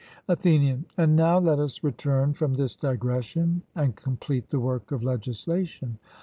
ATHENIAN: And now let us return from this digression and complete the work of legislation.